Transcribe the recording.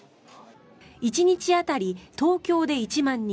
１日当たり東京で１万人